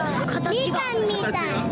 みかんみたい。